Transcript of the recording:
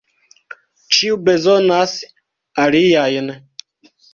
Ĉiu bezonas aliajn.